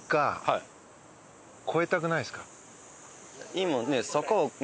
今ね。